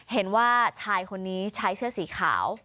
เห็นว่าชายคนนี้ใช้เสื้อสีขาว